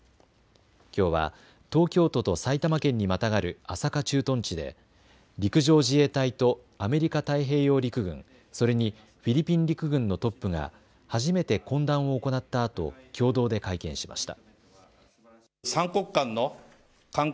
きょうは東京都と埼玉県にまたがる朝霞駐屯地で陸上自衛隊とアメリカ太平洋陸軍、それにフィリピン陸軍のトップが初めて懇談を行ったあと共同で会見しました。